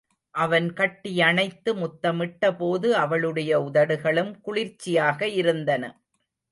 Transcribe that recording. அவன் கட்டியணைத்து முத்தமிட்ட போது அவளுடைய உதடுகளும் குளிர்ச்சியாக இருந்தன.